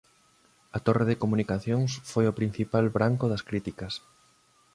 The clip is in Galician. A torre de comunicacións foi o principal branco das críticas.